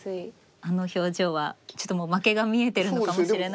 あの表情はちょっともう負けが見えてるのかもしれない。